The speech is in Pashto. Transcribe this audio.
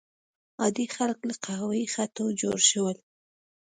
عادي خلک له قهوه یي خټو جوړ شول.